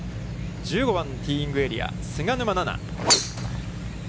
１５番、ティーイングエリア、菅沼菜々。